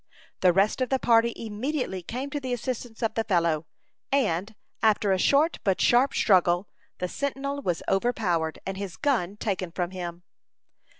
The rest of the party immediately came to the assistance of the fellow, and, after a short but sharp struggle, the sentinel was overpowered, and his gun taken from him.